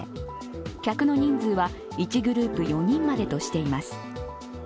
客の人数は１グループ４人までとしています。